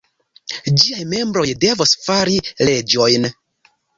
Ĝiaj membroj devos fari leĝojn.